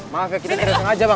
maaf ya kita tersengaja bang